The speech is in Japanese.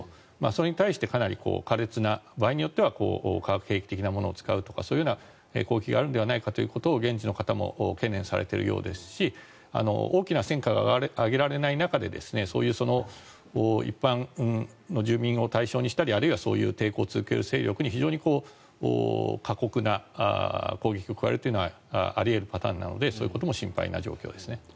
それに対して、かなり苛烈な場合によっては化学兵器的なものを使うとかそういう攻撃があるのではないかと現地の方も懸念されているようですし大きな戦果が上げられない中でそういう一般の住民を対象にしたりあるいはそういう抵抗を続ける勢力に非常に過酷な攻撃を加えるというのはあり得るパターンなのでそういうことも心配な状況です。